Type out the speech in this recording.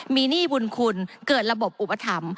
มีหนี้บุญคุณเกิดระบบอุปถัมภ์